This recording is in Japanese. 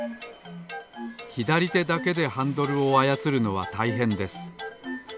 ひだりてだけでハンドルをあやつるのはたいへんです。